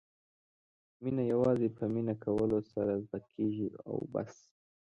مینه یوازې په مینه کولو سره زده کېږي او بس.